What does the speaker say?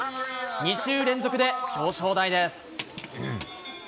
２週連続で表彰台です。